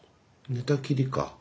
寝たきりかうん。